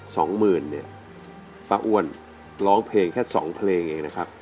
สองหมื่นเนี่ยป้าอ้วนร้องเพลงแค่สองเพลงเองนะครับ